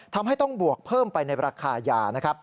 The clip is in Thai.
ทำให้ต้องบวกเพิ่มไปในราคาหย่า